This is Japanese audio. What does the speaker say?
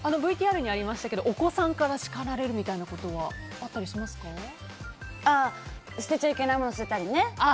ＶＴＲにありましたがお子さんから叱られることは捨てちゃいけないものを捨てたりね。